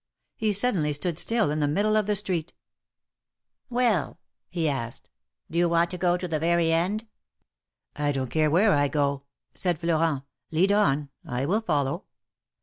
He suddenly stood still in the middle of the street. '^Well!" he asked, ^^do you want to go to the very end ?" I don't care where I go," said Florent. Lead on, I will follow."